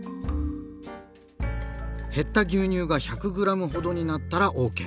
減った牛乳が１００ｇほどになったらＯＫ。